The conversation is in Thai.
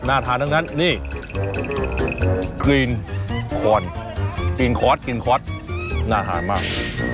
น่าทานั่นนั้นนี่ควลกินกรอดกินคอธน่าหามาก